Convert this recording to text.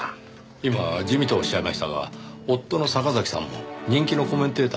今地味とおっしゃいましたが夫の坂崎さんも人気のコメンテーターですねぇ。